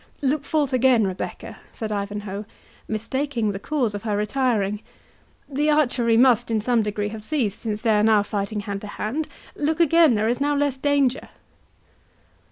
"Look forth again, Rebecca," said Ivanhoe, mistaking the cause of her retiring; "the archery must in some degree have ceased, since they are now fighting hand to hand.—Look again, there is now less danger."